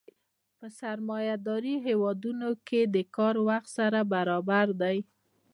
په سرمایه داري هېوادونو کې د کار وخت سره برابر دی